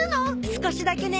少しだけね。